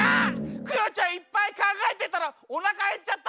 クヨちゃんいっぱいかんがえてたらおなかへっちゃった。